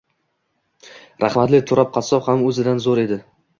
Rahmatli Turob qassob ham o‘zidan zo‘r edi.